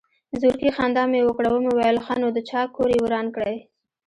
زورکي خندا مې وکړه ومې ويل ښه نو د چا کور يې وران کړى.